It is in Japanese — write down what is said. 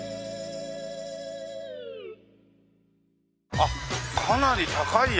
あっかなり高いや。